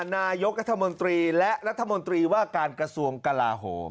นายกรัฐมนตรีและรัฐมนตรีว่าการกระทรวงกลาโหม